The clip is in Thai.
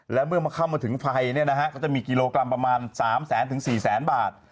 และเมื่อเข้ามาถึงไฟนี่นะฮะก็จะมีกิโลกรัมประมาณ๓๔แสนบาท